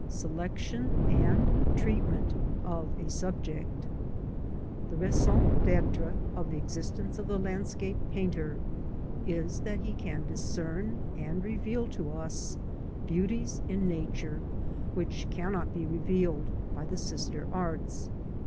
SELECTION AND TREATMENT OF A SUBJECT, THE raison cTStre of the existence of the landscape painter is that he^n discern and reveal to us beauties in Nature which'^cannot be revealed by the sister arts.